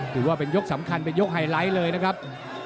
ถือว่าเป็นยกสำคัญเป็นยกไฮไลท์เลยนะครับ